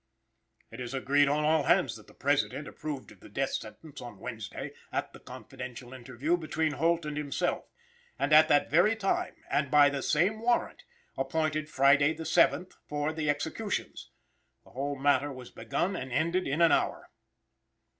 It is agreed on all hands that the President approved of the death sentence on Wednesday, at the confidential interview between Holt and himself, and, at that very time, and by the same warrant, appointed Friday the 7th, for the executions. The whole matter was begun and ended in an hour.